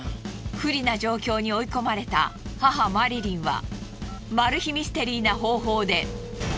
不利な状況に追い込まれた母マリリンはマル秘ミステリーな方法で。